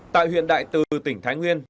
tại huyện đại từ tỉnh thái nguyên